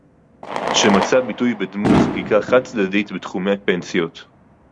שמצא ביטוי בדמות חקיקה חד-צדדית בתחומי פנסיות